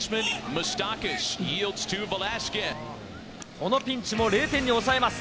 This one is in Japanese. このピンチも０点に抑えます。